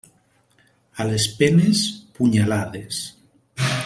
A les penes, punyalades.